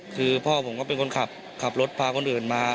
คือพ่อผมก็เป็นคนขับรถพาคนอื่นมา